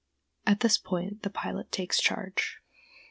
At this point the pilot takes charge.